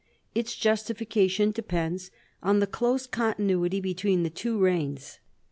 Its justification depends on the close continuity between the two reigns.